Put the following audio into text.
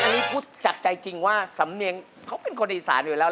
อันนี้พูดจากใจจริงว่าสำเนียงเขาเป็นคนอีสานอยู่แล้ว